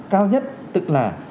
cao nhất tức là